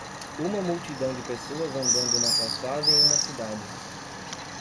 Uma multidão de pessoas andando na calçada em uma cidade.